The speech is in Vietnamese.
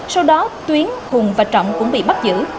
sau đó tuyến hùng và trọng cũng bị bắt giữ